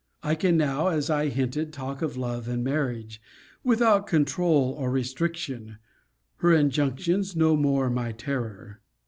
I can now, as I hinted, talk of love and marriage, without controul or restriction; her injunctions no more my terror.